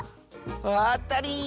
あったり！